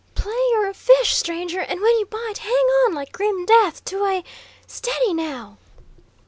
"Play you're a fish, stranger, and when you bite, hang on like grim death to a steady, now!"